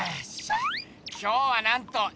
今日はなんと！